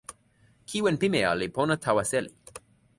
kiwen pimeja li pona tawa seli.